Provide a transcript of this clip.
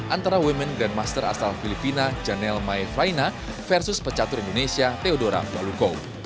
antara women grandmaster asal filipina janelle mae vaina versus pecatur indonesia theodora baluko